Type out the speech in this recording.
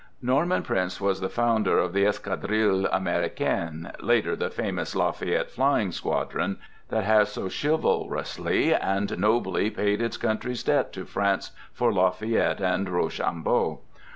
Norman Prince was the founder of the Escadrille Americaine, later the famous Lafayette Flying Squadron, that has so chivalrously and nobly paid its country's debt to France for Lafayette and Rochambeau.